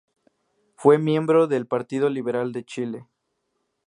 Fue miembro del Partido Liberal de Chile.